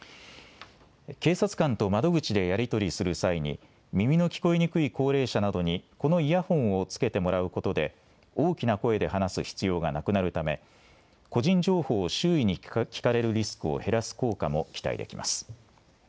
警察官と窓口でやり取りする際に、耳の聞こえにくい高齢者などにこのイヤホンをつけてもらうことで、大きな声で話す必要がなくなるため、個人情報を周囲に聞かれるリスクを減らす効果も期待できます。